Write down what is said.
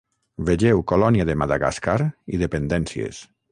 Vegeu colònia de Madagascar i dependències.